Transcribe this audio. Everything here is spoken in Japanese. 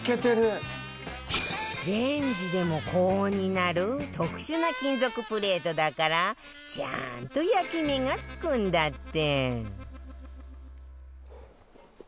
レンジでも高温になる特殊な金属プレートだからちゃんと焼き目がつくんだって